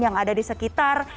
yang ada di sekitar